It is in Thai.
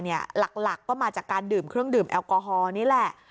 หลักก็มาจากการดื่มเครื่องดื่มแอลกอฮอลนี่แหละ